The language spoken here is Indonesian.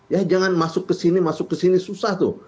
ya jangan masuk ke sini masuk ke sini susah tuh